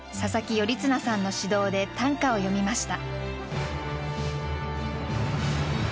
頼綱さんの指導で短歌を詠みました。